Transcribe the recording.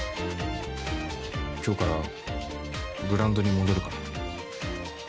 今日からグラウンドに戻るから。